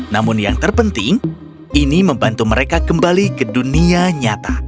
namun yang terpenting ini membantu mereka kembali ke dunia nyata